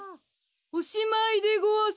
おしまいでごわす。